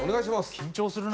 緊張するな。